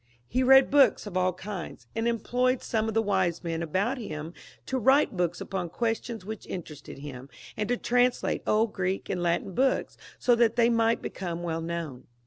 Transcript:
He read books of all kinds, and employed some of the wise men about him to write books upon questions which interested him, and to translate old Greek and Latin books, so that they might become well known.